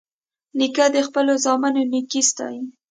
نیکه د خپلو زامنو نیکي ستايي.